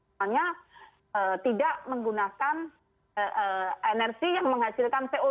misalnya tidak menggunakan energi yang menghasilkan co dua